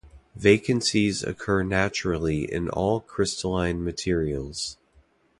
Vacancies occur naturally in all crystalline materials.